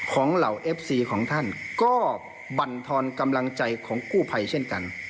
เหล่าเอฟซีของท่านก็บรรทอนกำลังใจของกู้ภัยเช่นกัน